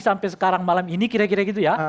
sampai sekarang malam ini kira kira gitu ya